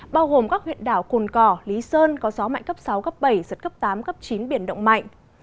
bao gồm các huyện đảo cồn cỏ lý sơn có gió mạnh cấp sáu cấp bảy giật cấp tám cấp chín biển động mạnh